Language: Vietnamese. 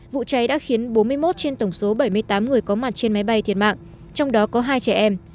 vụ cháy đã khiến bốn mươi một trên tổng số bảy mươi tám người có mặt trên máy bay thiệt mạng trong đó có hai trẻ em